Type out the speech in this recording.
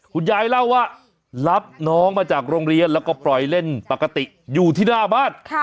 คุณยายเล่าว่ารับน้องมาจากโรงเรียนแล้วก็ปล่อยเล่นปกติอยู่ที่หน้าบ้าน